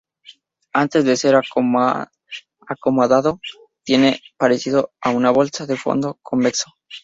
Antes de ser acomodado, tiene parecido a una "bolsa" de fondo convexo.